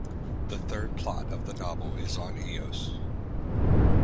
The third plot of the novel is on Eos.